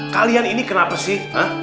kalian ini kenapa sih